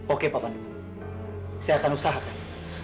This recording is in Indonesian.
oke pak pandu saya akan usahakan